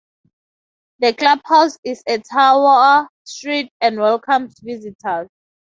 The clubhouse is on Tower Street and welcomes visitors.